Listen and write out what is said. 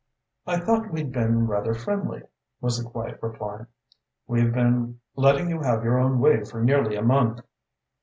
"I thought we'd been rather friendly," was the quiet reply. "We've been letting you have your own way for nearly a month."